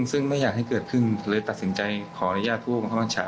ซึ่งไม่อยากให้เกิดขึ้นเลยตัดสินใจขออนุญาตผู้บังคับบัญชา